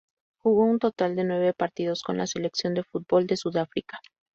Jugó un total de nueve partidos con la selección de fútbol de Sudáfrica.